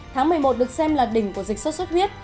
tháng một mươi một được xem là đỉnh của dịch sốt xuất huyết